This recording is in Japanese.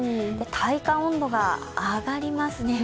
体感温度が上がりますね。